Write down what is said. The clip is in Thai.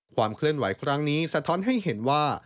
เคลื่อนไหวครั้งนี้สะท้อนให้เห็นว่า